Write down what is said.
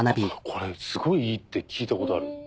これすごいいいって聞いたことある。